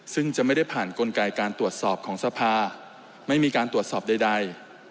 ซึ่งจะไม่ได้ผ่านกลไกการตรวจสอบของสภาไม่มีการตรวจสอบใด